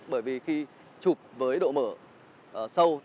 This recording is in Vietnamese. bởi vì khi chụp với độ mở sâu